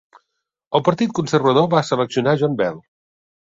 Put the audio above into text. El Partit Conservador va seleccionar John Bell.